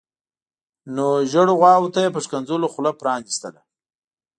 نو زیړو غواوو ته یې په ښکنځلو خوله پرانیستله.